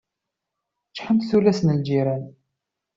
Ččḥent tullas n lǧiran.